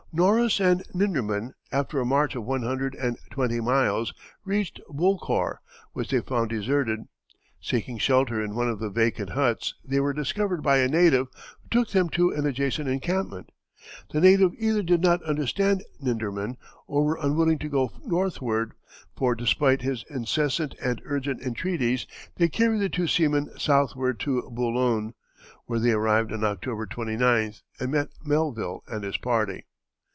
Noros and Nindermann, after a march of one hundred and twenty miles, reached Bulcour, which they found deserted. Seeking shelter in one of the vacant huts, they were discovered by a native, who took them to an adjacent encampment. The natives either did not understand Nindermann or were unwilling to go northward, for despite his incessant and urgent entreaties they carried the two seamen southward to Bulun, where they arrived on October 29th, and met Melville and his party.